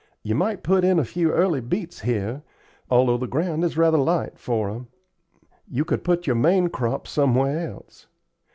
"You might put in a few early beets here, although the ground is rather light for 'em. You could put your main crop somewhere else.